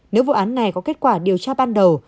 nếu vụ án này có kết quả điều tra ban đầu